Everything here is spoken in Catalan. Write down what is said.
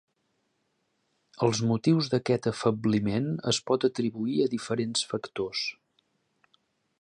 Els motius d'aquest afebliment es pot atribuir a diferents factors.